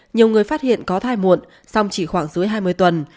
nhiều người phát hiện có thai muộn song chỉ khoảng dưới hai mươi tuần